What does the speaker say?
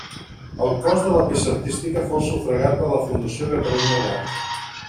El cost de la peça artística fou sufragat per la Fundació Catalunya Oberta.